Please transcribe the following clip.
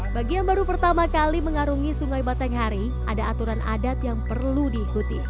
bagi yang baru pertama kali mengarungi sungai batanghari ada aturan adat yang perlu diikuti